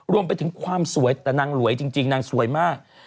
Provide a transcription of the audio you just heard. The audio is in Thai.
รวมไปถึงความสวยแต่นางหลวยจริงนางสวยมาก